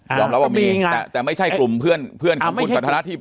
อ่ามีอ่าแต่ไม่ใช่กลุ่มเพื่อนเพื่อนของคุณสถานที่